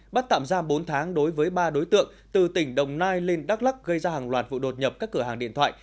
bắt tạm ra bốn tháng đối với ba đối tượng từ tỉnh đồng nai lên đắk lắc gây ra hàng loạt vụ đột nhập các cửa hàng điện thoại